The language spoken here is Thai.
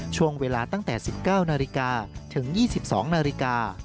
ช่วงเวลาตั้งแต่๑๙นาฬิกาถึง๒๒นาฬิกา